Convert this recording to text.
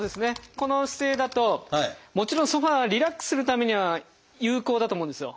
この姿勢だともちろんソファーはリラックスするためには有効だと思うんですよ。